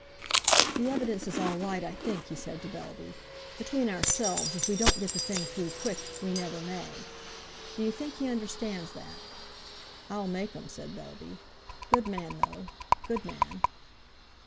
"The evidence is all right, I think," he said to Bellby. "Between ourselves, if we don't get the thing through quick, we never may. D'you think he understands that?" "I'll make um," said Bellby. "Good man though—good man."